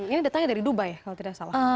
ini datangnya dari dubai kalau tidak salah